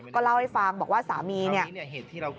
ก็เล่าให้ฟังบอกว่าสามีเนี่ย